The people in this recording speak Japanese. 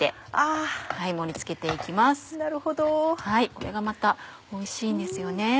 これがまたおいしいんですよね。